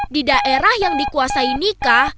di daerah yang dikuasai nikah